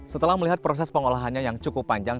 setelah melihat proses pengolahannya yang cukup panjang